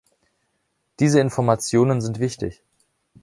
Diese Informationen sind wichtig.